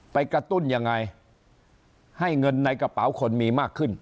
กระตุ้นยังไงให้เงินในกระเป๋าคนมีมากขึ้น